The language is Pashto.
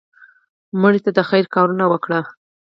مړه ته د خیر کارونه وکړه